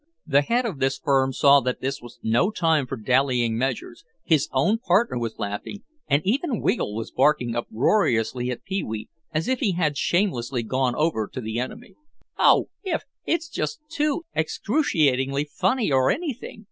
The head of the firm saw that this was no time for dallying measures, his own partner was laughing, and even Wiggle was barking uproariously at Pee wee as if he had shamelessly gone over to the enemy. "Oh, it's just—too excruciatingly funny for anything!"